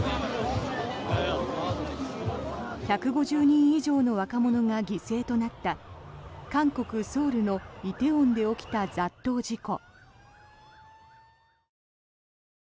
１５０人以上の若者が犠牲となった韓国ソウルの梨泰院で起きた雑踏事故。